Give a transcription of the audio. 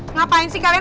ngapain sih kalian